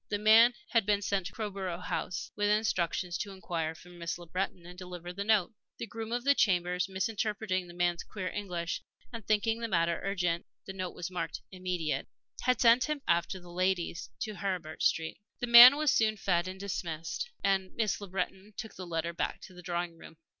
The man had been sent to Crowborough House with instructions to inquire for Miss Le Breton and deliver his note. The groom of the chambers, misinterpreting the man's queer English, and thinking the matter urgent the note was marked "immediate" had sent him after the ladies to Heribert Street. The man was soon feed and dismissed, and Miss Le Breton took the letter back to the drawing room.